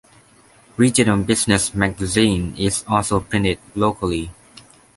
Regional Business magazine is also printed locally.